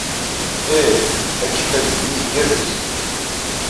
Ih, akeffay-nni igerrez.